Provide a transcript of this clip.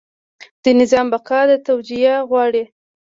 د نظام بقا دا توجیه غواړي.